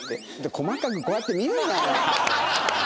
細かくこうやって見るなよ。